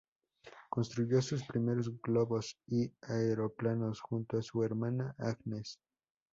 Construyó sus primeros globos y aeroplanos junto a su hermana Agnes.